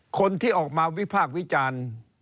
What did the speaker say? คนที่ออกมาวิพากษ์วิจารณ์